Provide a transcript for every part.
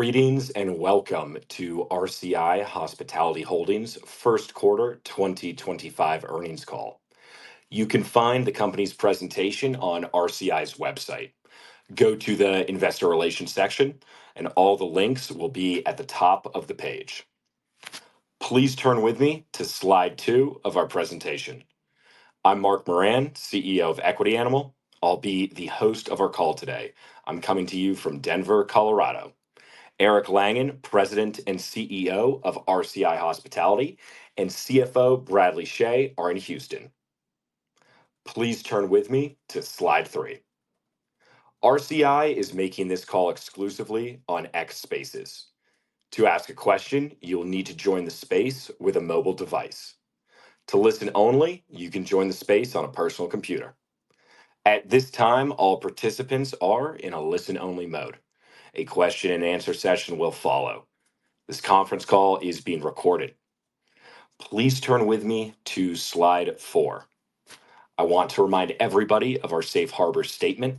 Greetings, and welcome to RCI Hospitality Holdings' First Quarter 2025 Earnings Call. You can find the company's presentation on RCI's website. Go to the investor relations section, and all the links will be at the top of the page. Please turn with me to slide two of our presentation. I'm Mark Moran, CEO of Equity Animal. I'll be the host of our call today. I'm coming to you from Denver, Colorado. Eric Langan, President and CEO of RCI Hospitality, and CFO, Bradley Chhay are in Houston. Please turn with me to slide three. RCI is making this call exclusively on X Spaces. To ask a question, you'll need to join the space with a mobile device. To listen only, you can join the space on a personal computer. At this time, all participants are in a listen-only mode. A question-and-answer session will follow. This conference call is being recorded. Please turn with me to slide four. I want to remind everybody of our Safe Harbor Statement.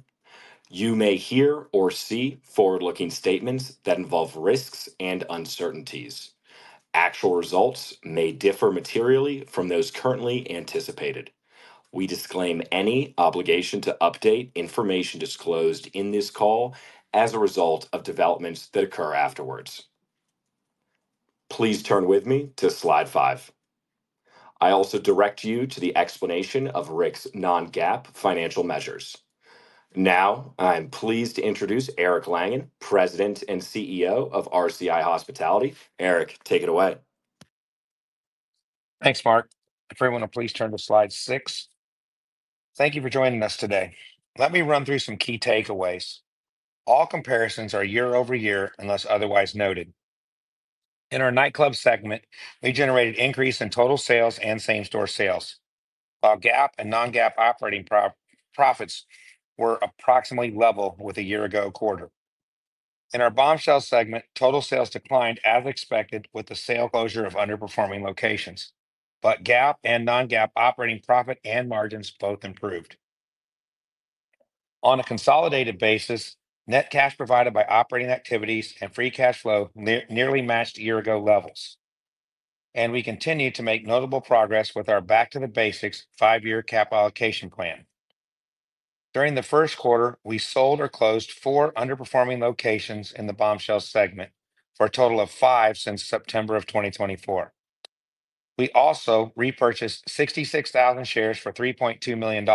You may hear or see forward-looking statements that involve risks and uncertainties. Actual results may differ materially from those currently anticipated. We disclaim any obligation to update information disclosed in this call as a result of developments that occur afterwards. Please turn with me to slide five. I also direct you to the explanation of RCI's non-GAAP financial measures. Now, I'm pleased to introduce Eric Langan, President and CEO of RCI Hospitality. Eric, take it away. Thanks, Mark. Everyone, please turn to slide six. Thank you for joining us today. Let me run through some key takeaways. All comparisons are year-over-year, unless otherwise noted. In our nightclub segment, we generated an increase in total sales and same-store sales, while GAAP and non-GAAP operating profits were approximately level with a year-ago quarter. In our Bombshells segment, total sales declined as expected, with the sale closure of underperforming locations, but GAAP and non-GAAP operating profit and margins both improved. On a consolidated basis, net cash provided by operating activities and free cash flow nearly matched year-ago levels. We continue to make notable progress with our Back to the Basics five-year capital allocation plan. During the first quarter, we sold or closed four underperforming locations in the Bombshells segment for a total of five since September of 2024. We also repurchased 66,000 shares for $3.2 million,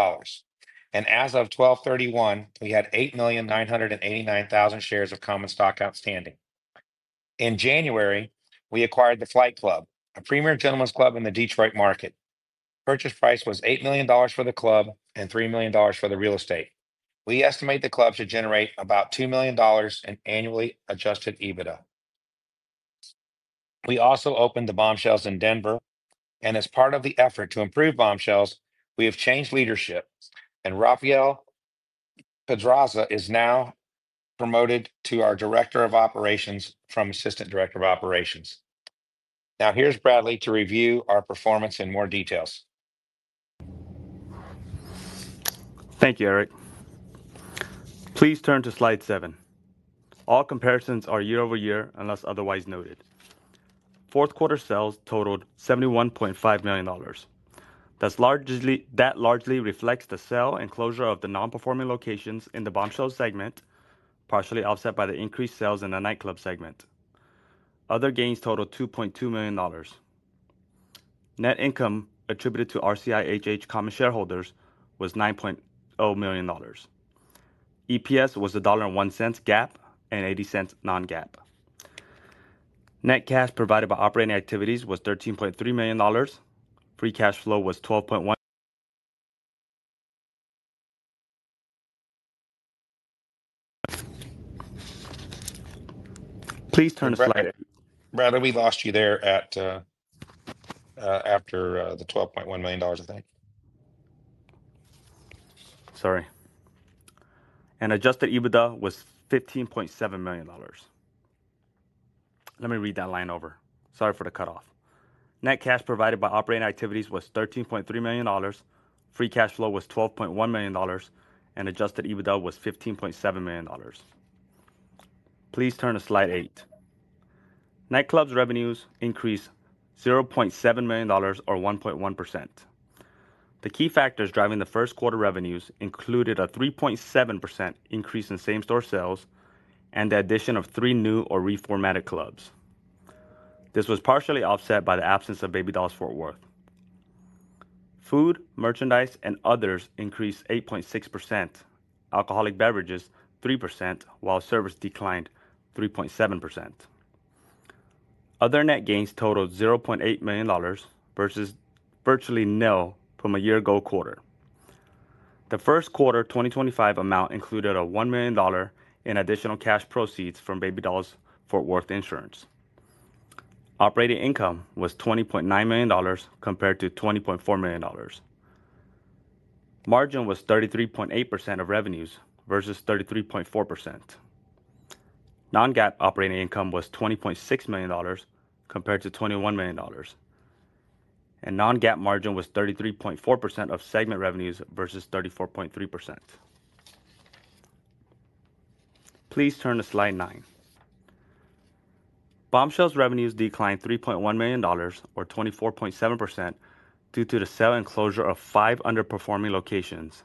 and as of 12/31, we had 8,989,000 shares of common stock outstanding. In January, we acquired The Flight Club, a premier gentlemen's club in the Detroit market. Purchase price was $8 million for the club and $3 million for the real estate. We estimate the club should generate about $2 million in annually adjusted EBITDA. We also opened the Bombshells in Denver. As part of the effort to improve Bombshells, we have changed leadership, and Rafael Pedraza is now promoted to our Director of Operations from Assistant Director of Operations. Now, here's Bradley to review our performance in more details. Thank you, Eric. Please turn to slide seven. All comparisons are year-over-year, unless otherwise noted. Fourth quarter sales totaled $71.5 million. That largely reflects the sale and closure of the non-performing locations in the Bombshells segment, partially offset by the increased sales in the nightclub segment. Other gains totaled $2.2 million. Net income attributed to RCI HH common shareholders was $9.0 million. EPS was $1.01 GAAP and $0.80 non-GAAP. Net cash provided by operating activities was $13.3 million. Free cash flow was $12.1. Please turn to slide eight. Bradley, we lost you there after the $12.1 million, I think. Sorry. Adjusted EBITDA was $15.7 million. Let me read that line over. Sorry for the cutoff. Net cash provided by operating activities was $13.3 million. Free cash flow was $12.1 million, and adjusted EBITDA was $15.7 million. Please turn to slide eight. Nightclubs' revenues increased $0.7 million, or 1.1%. The key factors driving the first quarter revenues included a 3.7% increase in same-store sales, and the addition of three new or reformatted clubs. This was partially offset by the absence of Baby Dolls Fort Worth. Food, merchandise, and others increased 8.6%, alcoholic beverages, 3%, while service declined 3.7%. Other net gains totaled $0.8 million versus virtually nil from a year-ago quarter. The first quarter 2025 amount included a $1 million in additional cash proceeds from Baby Dolls Fort Worth insurance. Operating income was $20.9 million compared to $20.4 million. Margin was 33.8% of revenues versus 33.4%. Non-GAAP operating income was $20.6 million compared to $21 million, and non-GAAP margin was 33.4% of segment revenues versus 34.3%. Please turn to slide nine. Bombshells' revenues declined $3.1 million, or 24.7%, due to the sale and closure of five underperforming locations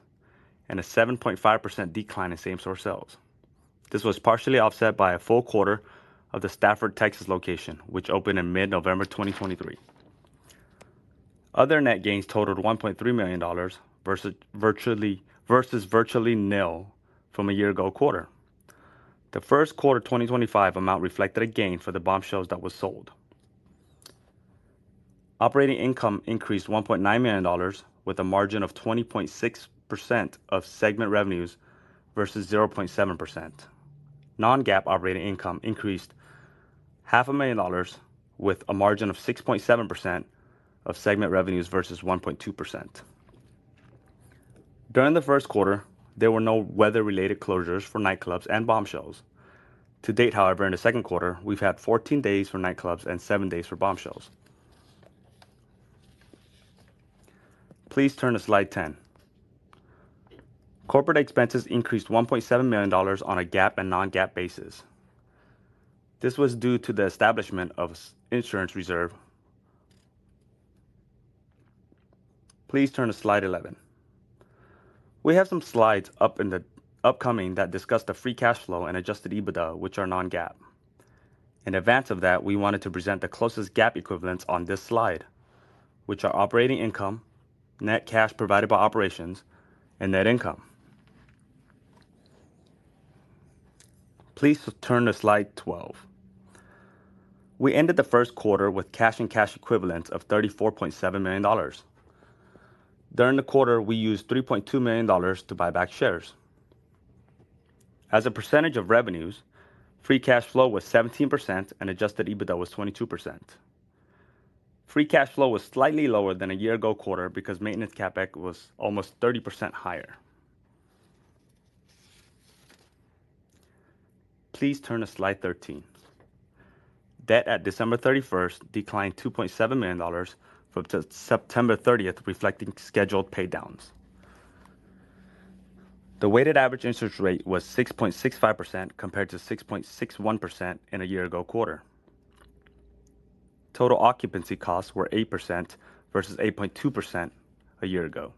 and a 7.5% decline in same-store sales. This was partially offset by a full quarter of the Stafford, Texas location, which opened in mid-November 2023. Other net gains totaled $1.3 million versus virtually nil from a year-ago quarter. The first quarter 2025 amount reflected a gain for the Bombshells that were sold. Operating income increased $1.9 million, with a margin of 20.6% of segment revenues versus 0.7%. Non-GAAP operating income increased $500,000, with a margin of 6.7% of segment revenues versus 1.2%. During the first quarter, there were no weather-related closures for nightclubs and Bombshells. To date however, in the second quarter, we've had 14 days for nightclubs and 7 days for Bombshells. Please turn to slide 10. Corporate expenses increased $1.7 million on a GAAP and non-GAAP basis. This was due to the establishment of insurance reserve. Please turn to slide 11. We have some slides up in the upcoming that discuss the free cash flow and adjusted EBITDA, which are non-GAAP. In advance of that, we wanted to present the closest GAAP equivalents on this slide, which are operating income, net cash provided by operations, and net income. Please turn to slide 12. We ended the first quarter with cash and cash equivalents of $34.7 million. During the quarter, we used $3.2 million to buy back shares. As a percentage of revenues, free cash flow was 17% and adjusted EBITDA was 22%. Free Cash Flow was slightly lower than a year-ago quarter, because maintenance CapEx was almost 30% higher. Please turn to slide 13. Debt at December 31st declined $2.7 million from September 30th, reflecting scheduled paydowns. The weighted average interest rate was 6.65% compared to 6.61% in a year-ago quarter. Total occupancy costs were 8% versus 8.2% a year ago.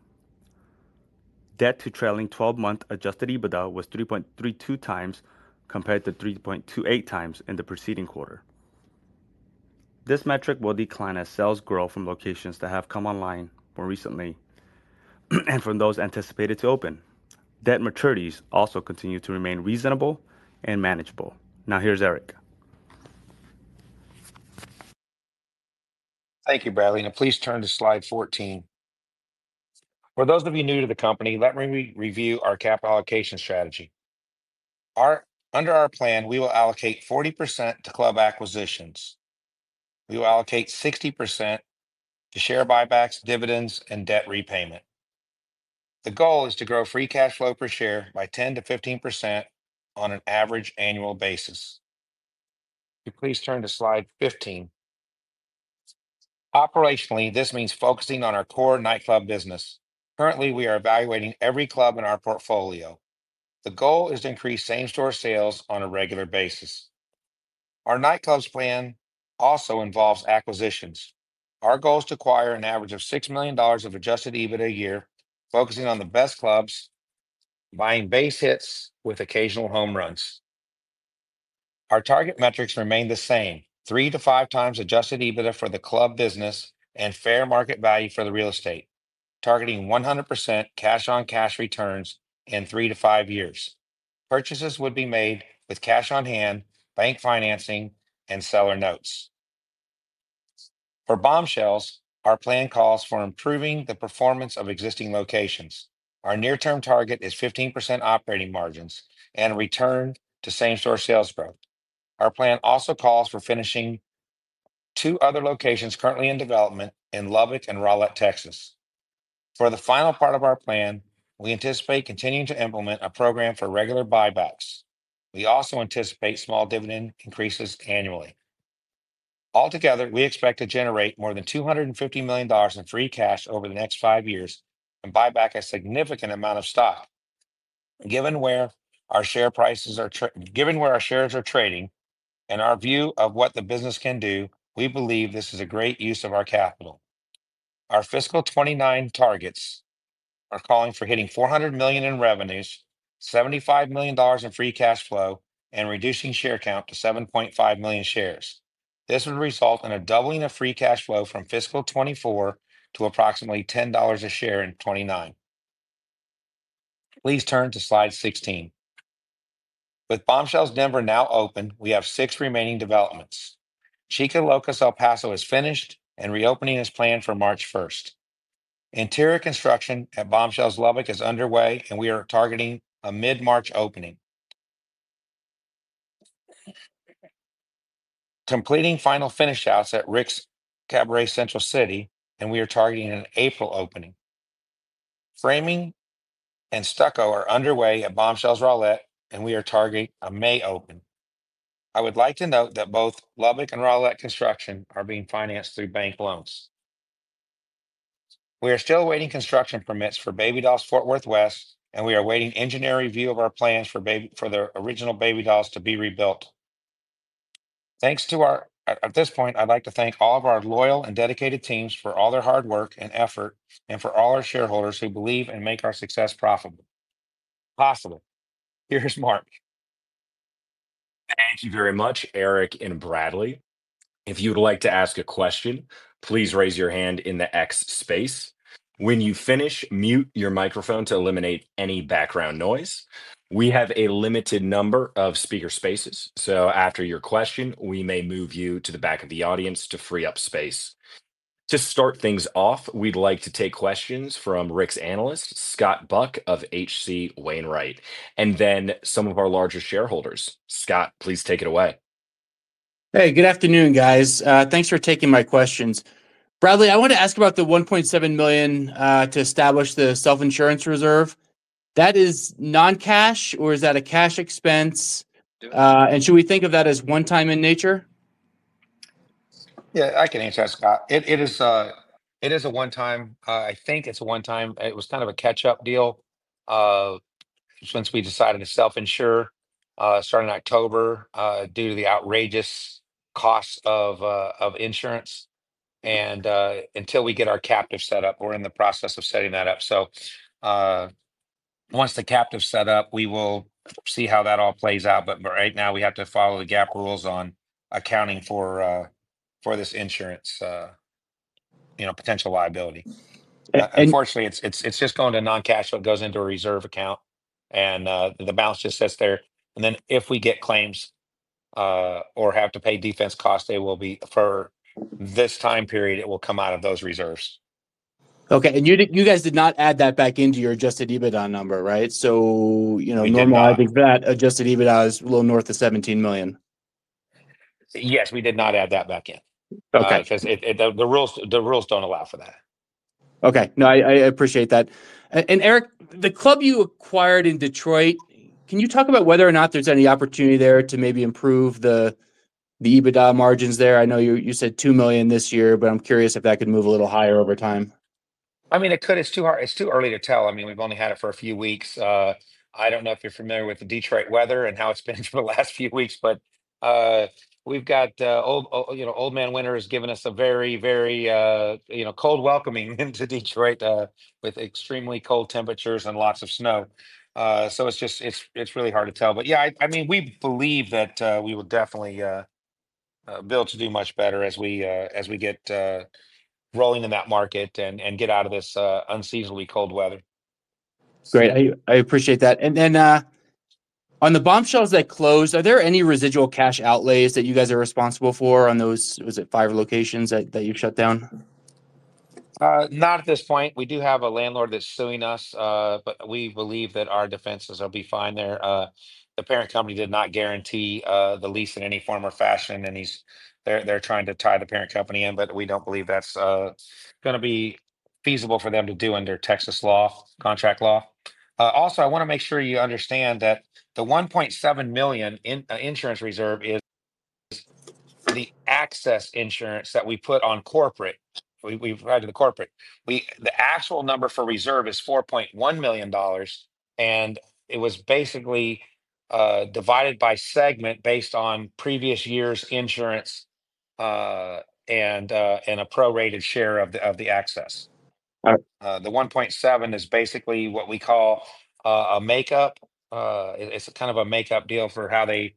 Debt to trailing 12-month adjusted EBITDA was 3.32x compared to 3.28x in the preceding quarter. This metric will decline as sales grow from locations that have come online more recently, and from those anticipated to open. Debt maturities also continue to remain reasonable and manageable. Now, here's Eric. Thank you, Bradley. Now, please turn to slide 14. For those of you new to the company, let me review our capital allocation strategy. Under our plan, we will allocate 40% to club acquisitions. We will allocate 60% to share buybacks, dividends, and debt repayment. The goal is to grow free cash flow per share by 10%-15% on an average annual basis. Please turn to slide 15. Operationally, this means focusing on our core nightclub business. Currently, we are evaluating every club in our portfolio. The goal is to increase same-store sales on a regular basis. Our nightclubs plan also involves acquisitions. Our goal is to acquire an average of $6 million of Adjusted EBITDA a year, focusing on the best clubs, buying base hits with occasional home runs. Our target metrics remain the same, 3x-5x adjusted EBITDA for the club business and fair market value for the real estate, targeting 100% cash-on-cash returns in three to five years. Purchases would be made with cash on hand, bank financing, and seller notes. For Bombshells, our plan calls for improving the performance of existing locations. Our near-term target is 15% operating margins, and return to same-store sales growth. Our plan also calls for finishing two other locations currently in development in Lubbock and Rowlett, Texas. For the final part of our plan, we anticipate continuing to implement a program for regular buybacks. We also anticipate small dividend increases annually. Altogether, we expect to generate more than $250 million in free cash over the next five years, and buy back a significant amount of stock. Given where our shares are trading and our view of what the business can do, we believe this is a great use of our capital. Our fiscal 2029 targets are calling for hitting $400 million in revenues, $75 million in free cash flow, and reducing share count to 7.5 million shares. This would result in a doubling of free cash flow from fiscal 2024, to approximately $10 a share in 2029. Please turn to slide 16. With Bombshells Denver now open, we have six remaining developments. Chicas Locas, El Paso is finished, and reopening is planned for March 1st. Interior construction at Bombshells Lubbock is underway, and we are targeting a mid-March opening. Completing final finish outs at Rick's Cabaret Central City, and we are targeting an April opening. Framing and stucco are underway at Bombshells Rowlett, and we are targeting a May opening. I would like to note that both Lubbock and Rowlett construction are being financed through bank loans. We are still awaiting construction permits for Baby Dolls Fort Worth West, and we are awaiting engineering review of our plans for the original Baby Dolls to be rebuilt. At this point, I'd like to thank all of our loyal and dedicated teams for all their hard work and effort, and for all our shareholders who believe and make our success possible. Here is Mark. Thank you very much, Eric and Bradley. If you'd like to ask a question, please raise your hand in the X space. When you finish, mute your microphone to eliminate any background noise. We have a limited number of speaker spaces, so after your question, we may move you to the back of the audience to free up space. To start things off, we'd like to take questions from RCI's analyst, Scott Buck of H.C. Wainwright, and then some of our larger shareholders. Scott, please take it away. Hey. Good afternoon, guys. Thanks for taking my questions. Bradley, I want to ask about the $1.7 million to establish the self-insurance reserve. That is non-cash or is that a cash expense? Should we think of that as one-time in nature? Yeah, I can answer that, Scott. It is a one-time. I think it's a one-time. It was a catch-up deal, since we decided to self-insure starting October, due to the outrageous cost of insurance. Until we get our captive set up, we're in the process of setting that up. Once the captive's set up, we will see how that all plays out. Right now, we have to follow the GAAP rules on accounting for this insurance potential liability. Unfortunately, it's just going to non-cash, so it goes into a reserve account and the balance just sits there. If we get claims or have to pay defense costs, they will be for this time period, it will come out of those reserves. Okay, and you guys did not add that back into your Adjusted EBITDA number, right? Normalizing that Adjusted EBITDA is a little north of $17 million. Yes, we did not add that back in because the rules don't allow for that. Okay. No, I appreciate that. Eric, the club you acquired in Detroit, can you talk about whether or not there's any opportunity there to maybe improve the EBITDA margins there? I know you said $2 million this year, but I'm curious if that could move a little higher over time. It could. It's too early to tell. We've only had it for a few weeks. I don't know if you're familiar with the Detroit weather and how it's been for the last few weeks, but Old Man Winter has given us a very, very cold welcoming into Detroit, with extremely cold temperatures and lots of snow. It's really hard to tell, but yeah, we believe that we will definitely be able to do much better as we get rolling in that market and get out of this unseasonably cold weather. Great, I appreciate that. On the Bombshells that closed, are there any residual cash outlays that you guys are responsible for on those, was it five locations that you've shut down? Not at this point. We do have a landlord that's suing us, but we believe that our defenses will be fine there. The parent company did not guarantee the lease in any form or fashion and they're trying to tie the parent company in, but we don't believe that's going to be feasible for them to do under Texas law, contract law. Also, I want to make sure you understand that the $1.7 million insurance reserve is the excess insurance that we put on corporate. We provided the corporate. The actual number for reserve is $4.1 million, and it was basically divided by segment based on previous year's insurance and a prorated share of the excess. The $1.7 million is basically what we call a makeup. It's kind of a makeup deal for how they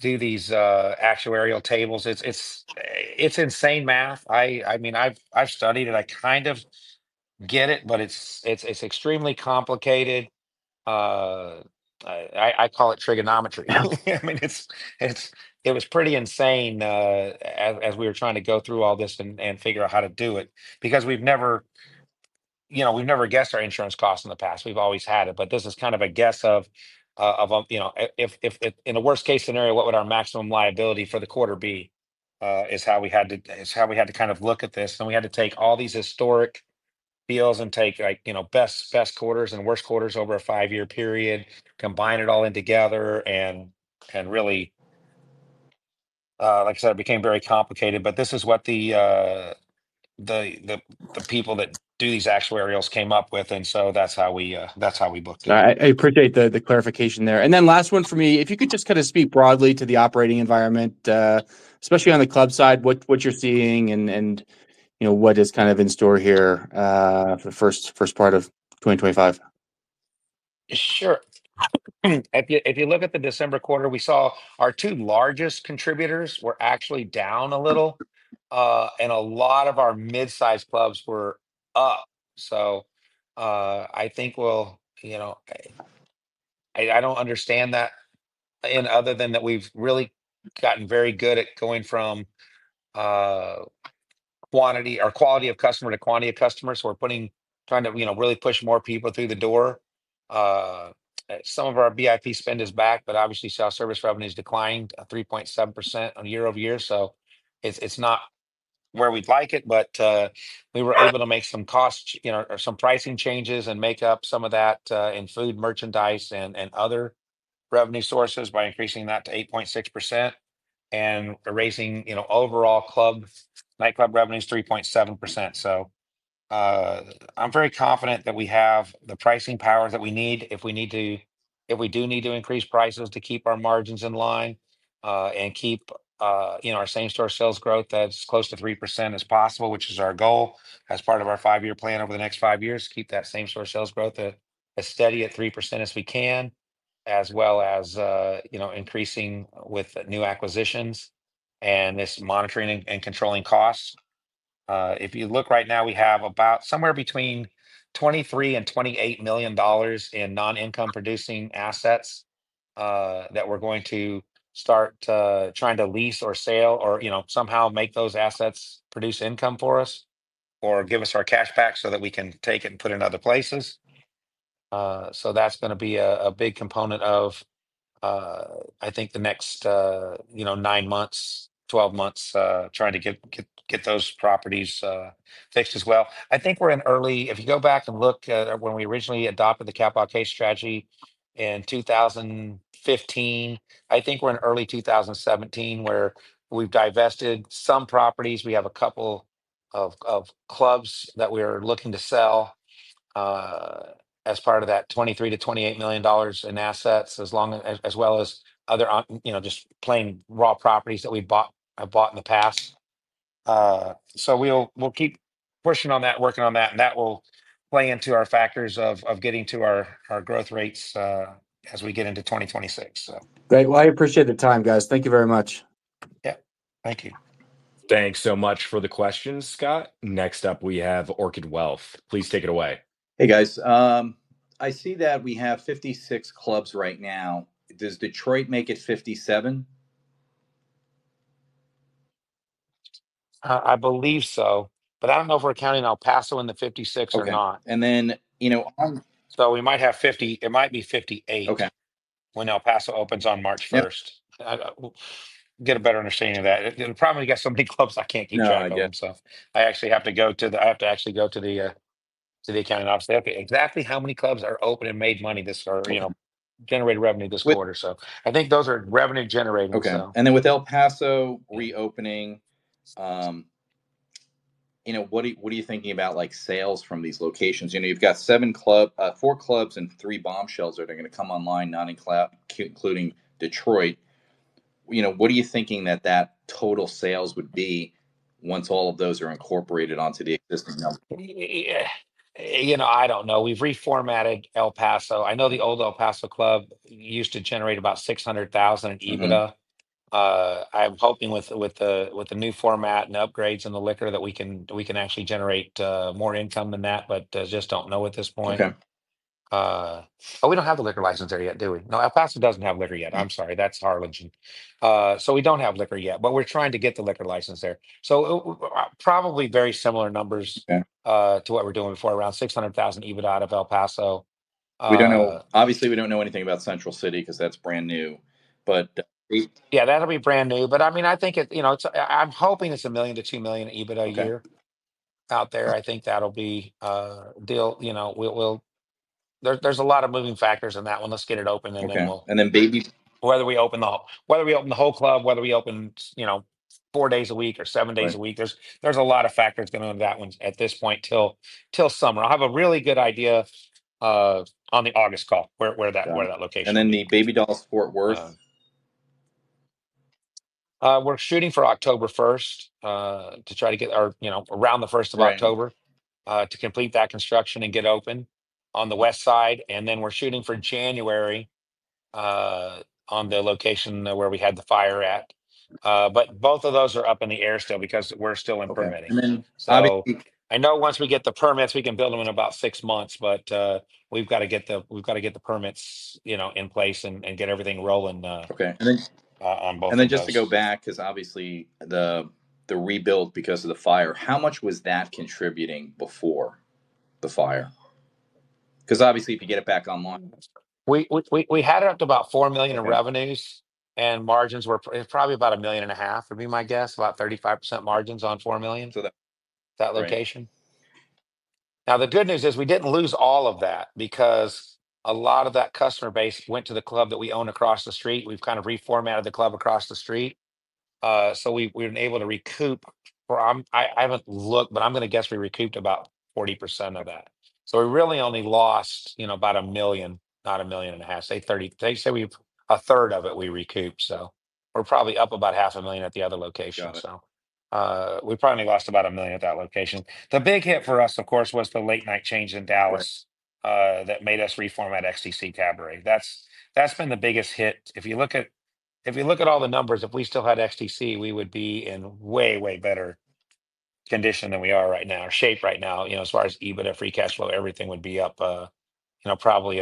do these actuarial tables. It's insane math. I mean, I've studied it. I kind of get it, but it's extremely complicated. I call it trigonometry. It was pretty insane as we were trying to go through all this and figure out how to do it, because we've never guessed our insurance costs in the past. We've always had it, but this is kind of a guess of, in the worst-case scenario, what would our maximum liability for the quarter be? Is how we had to look at this. We had to take all these historic deals and take best quarters and worst quarters over a five-year period, combine it all in together and really like I said, it became very complicated. This is what the people that do these actuarials came up with, and so that's how we booked it. I appreciate the clarification there. Last one for me, if you could just speak broadly to the operating environment, especially on the club side, what you're seeing and what is in store here for the first part of 2025? Sure. If you look at the December quarter, we saw our two largest contributors were actually down a little, and a lot of our mid-sized clubs were up. I don't understand that, other than that we've really gotten very good at going from quality of customer to quantity of customers. We're trying to really push more people through the door. Some of our VIP spend is back, but obviously, self-service revenue is declined, at 3.7% year-over-year. It's not where we'd like it, but we were able to make some pricing changes and make up some of that in food, merchandise, and other revenue sources, by increasing that to 8.6% and raising overall nightclub revenues at 3.7%. I am very confident that we have the pricing powers that we need, if we do need to increase prices to keep our margins in line and keep our same-store sales growth as close to 3% as possible, which is our goal as part of our five-year plan over the next five years. Keep that same-store sales growth as steady at 3% as we can, as well as increasing with new acquisitions and just monitoring and controlling costs. If you look right now, we have somewhere between $23 and $28 million in non-income-producing assets, that we are going to start to try to lease or sale or somehow make those assets produce income for us, or give us our cash back so that we can take it and put it in other places. That's going to be a big component of, I think the next nine months, 12 months trying to get those properties fixed as well. If you go back and look at when we originally adopted the capital allocation strategy in 2015, I think we're in early 2017, where we've divested some properties. We have a couple of clubs that we are looking to sell as part of that $23 million-$28 million in assets, as well as other just plain raw properties that we bought in the past. We'll keep pushing on that, working on that, and that will play into our factors of getting to our growth rates as we get into 2026. Great. I appreciate the time, guys. Thank you very much. Yeah. Thank you. Thanks so much for the questions, Scott. Next up, we have Orchid Wealth. Please take it away. Hey, guys. I see that we have 56 clubs right now. Does Detroit make it 57? I believe so, but I don't know if we're counting El Paso in the 56 or not. Okay. It might be 58 when El Paso opens on March 1st. To get a better understanding of that, we've probably got so many clubs I can't keep track of them. I actually have to go to the accounting office. They have to say, "Okay, exactly how many clubs are open and made money or generated revenue this quarter?" I think those are revenue-generating. Okay. With El Paso reopening, what are you thinking about sales from these locations? You've got four clubs and three Bombshells that are going to come online, not including Detroit. What are you thinking that total sales would be once all of those are incorporated onto the existing number? I don't know. We've reformatted El Paso. I know the old El Paso club used to generate about $600,000 in EBITDA. I'm hoping with the new format and upgrades, and the liquor that we can actually generate more income than that, but I just don't know at this point. Okay. Oh, we don't have the liquor license there yet, do we? No, El Paso doesn't have liquor yet. I'm sorry. That's Harlingen. We don't have liquor yet, but we're trying to get the liquor license there. Probably very similar numbers to what we're doing before, around $600,000 EBITDA out of El Paso. Obviously, we don't know anything about Central City because that's brand new, but. Yeah, that'll be brand new. I'm hoping it's $1 million-$2 million EBITDA a year out there. I think that'll be a deal. There's a lot of moving factors in that one. Let's get it open and then we'll. Okay, and then Baby? Whether we open the whole club, whether we open four days a week or seven days a week, there's a lot of factors going on in that one at this point till summer. I'll have a really good idea on the August call with that location. The Baby Dolls Fort Worth? We're shooting for around the 1st of October, to complete that construction and get open on the west side, and then we're shooting for January on the location where we had the fire at. Both of those are up in the air still because we're still in permitting. I know once we get the permits, we can build them in about six months, but we've got to get the permits in place and get everything rolling on both of those. Okay. Just to go back, because obviously the rebuild because of the fire, how much was that contributing before the fire? Obviously, if you get it back online. We had it up to about $4 million in revenues, and margins were probably about $1.5 million, would be my guess, about 35% margins on $4 million for that location. Now, the good news is, we didn't lose all of that because a lot of that customer base went to the club that we own across the street. We've reformatted the club across the street. We've been able to recoup. I haven't looked, but I'm going to guess we recouped about 40% of that. We really only lost about $1 million, not $1.5 million. Say 1/3 of it we recouped, so we're probably up about $500,000 at the other location. We probably lost about $1 million at that location. The big hit for us of course was the late-night change in Dallas, that made us reformat XTC Cabaret. That's been the biggest hit. If you look at all the numbers, if we still had XTC, we would be in way, way better condition than we are right now, our shape right now. As far as EBITDA, free cash flow, everything would be up probably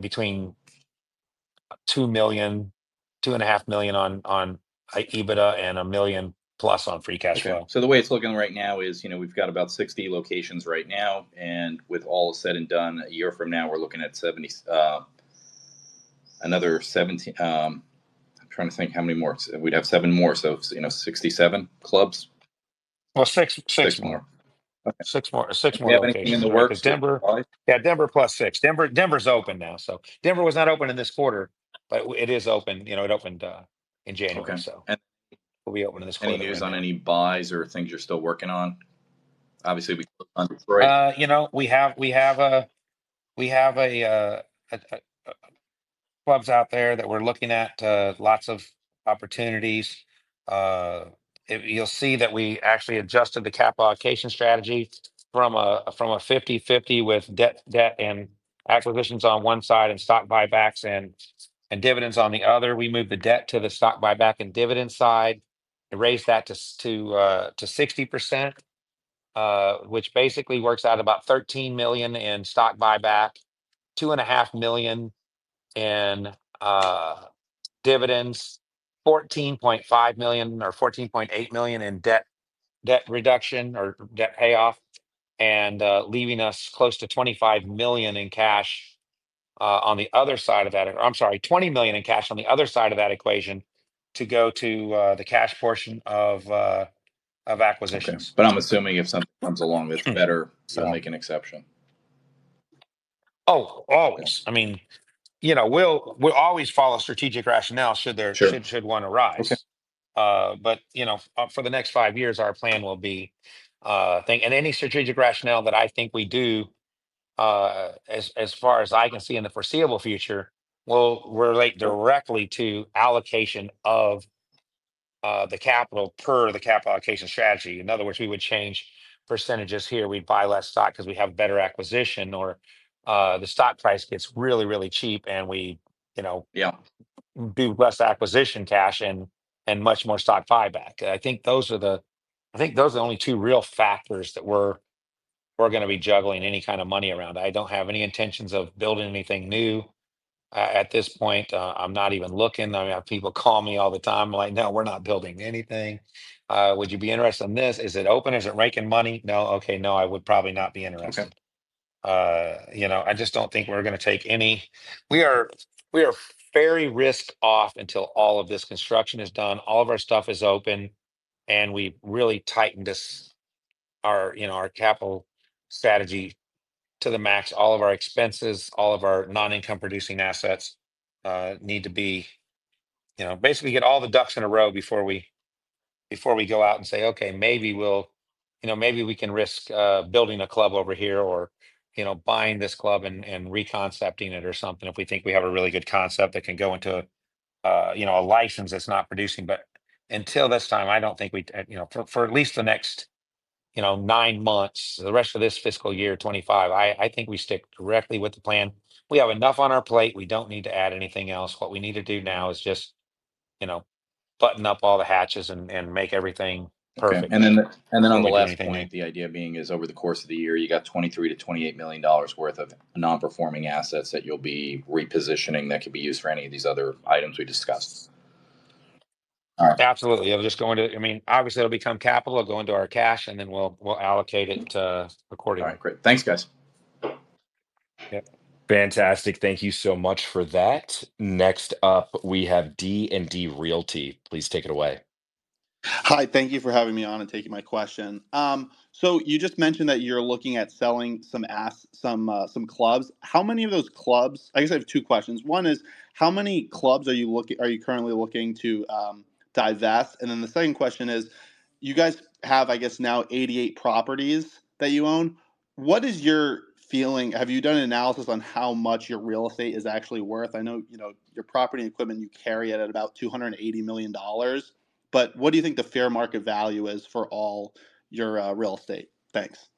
between $2 million-$2.5 million on EBITDA and $1 million plus on free cash flow. The way it's looking right now is, we've got about 60 locations right now. With all said and done, a year from now, I'm trying to think how many more. We'd have seven more, so 67 clubs. Six more. Six more. Six more. Do you have anything in the works in Denver? Yeah, Denver plus six. Denver's open now. Denver was not open in this quarter. It is open. It opened in January, so we'll be open in this quarter. Any news on any buys or things you're still working on? Obviously, we. We have clubs out there that we're looking at, lots of opportunities. You'll see that we actually adjusted the capital allocation strategy from a 50-50 with debt and acquisitions on one side, and stock buybacks and dividends on the other. We moved the debt to the stock buyback, and dividend side and raised that to 60%, which basically works out about $13 million in stock buyback, $2.5 million in dividends, $14.5 million or $14.8 million in debt reduction or debt payoff, and leaving us close to $20 million in cash on the other side of that equation to go to the cash portion of acquisitions. I'm assuming if something comes along, it's better than making an exception. Oh, always. We'll always follow strategic rationale should one arise. Sure, okay. For the next five years, our plan will be, and any strategic rationale that I think we do, as far as I can see in the foreseeable future, will relate directly to allocation of the capital, per the capital allocation strategy. In other words, we would change percentages here. We'd buy less stock because we have better acquisition, or the stock price gets really, really cheap, and we do less acquisition cash and much more stock buyback. I think those are the only two real factors that we're going to be juggling any kind of money around. I don't have any intentions of building anything new at this point. I'm not even looking. I have people call me all the time like, "No, we're not building anything. Would you be interested in this? Is it open? Is it raking money?" No, okay. No, I would probably not be interested. I just don't think we're going to take any. We are very risk-off until all of this construction is done. All of our stuff is open, and we've really tightened our capital strategy to the max. All of our expenses, all of our non-income-producing assets, basically get all the ducks in a row before we go out and say, "Okay, maybe we can risk building a club over here or buying this club, and reconcepting it or something, if we think we have a really good concept that can go into a license that's not producing." Until this time, for at least the next nine months, the rest of this fiscal year 2025, I think we stick directly with the plan. We have enough on our plate. We don't need to add anything else. What we need to do now is just button up all the hatches and make everything perfect. On the last point, the idea being is, over the course of the year, you got $23 million-$28 million worth of non-performing assets that you'll be repositioning, that could be used for any of these other items we discussed. Absolutely. Obviously, it'll become capital. It'll go into our cash, and then we'll allocate it accordingly. All right, great. Thanks, guys. Yep. Fantastic. Thank you so much for that. Next up, we have D&D Realty. Please take it away. Hi. Thank you for having me on and taking my question. You just mentioned that you're looking at selling some clubs. How many of those clubs? I have two questions. One is, how many clubs are you currently looking to divest? The second question is, you guys have now 88 properties that you own. What is your feeling, have you done an analysis on how much your real estate is actually worth? I know your property and equipment carry it at about $280 million. What do you think the fair market value is for all your real estate? Thanks.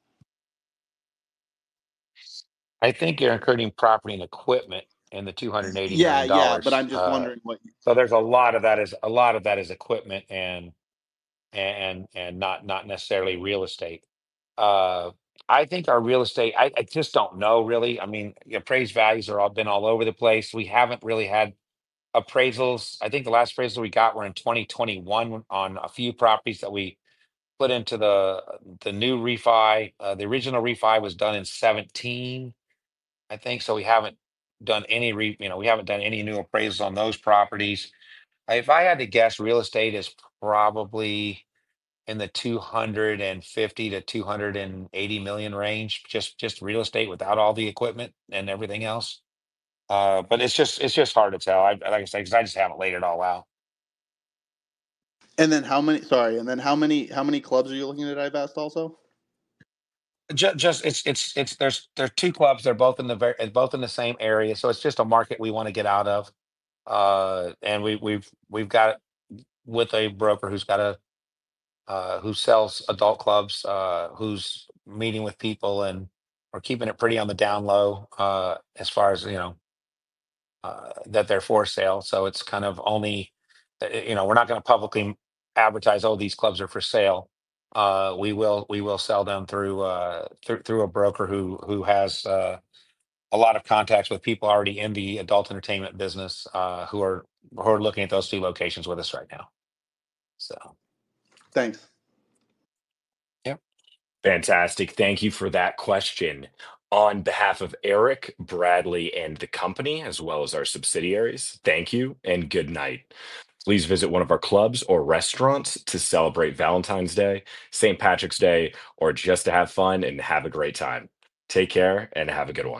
I think you're including property and equipment in the $280 million. Yeah, but I'm just wondering what. A lot of that is equipment and not necessarily real estate. Our real estate, I just don't know really. Appraised values have been all over the place. We haven't really had appraisals. I think the last appraisal we got was in 2021, on a few properties that we put into the new REFI. The original REFI was done in 2017, I think. We haven't done any new appraisals on those properties. If I had to guess, real estate is probably in the $250 million-$280 million range, just real estate without all the equipment and everything else. It's just hard to tell, like I said, because I just haven't laid it all out. Sorry, and then how many clubs are you looking to divest also? There are two clubs. They're both in the same area, so it's just a market we want to get out of. We've got it with a broker who sells adult clubs, who's meeting with people and are keeping it pretty on the down low as far as that they're for sale. We're not going to publicly advertise, "Oh, these clubs are for sale." We will sell them through a broker who has a lot of contacts with people already in the adult entertainment business, who are looking at those two locations with us right now. Thanks. Yep. Fantastic. Thank you for that question. On behalf of Eric, Bradley, and the company, as well as our subsidiaries, thank you and good night. Please visit one of our clubs or restaurants to celebrate Valentine's Day, St. Patrick's Day, or just to have fun and have a great time. Take care, and have a good one.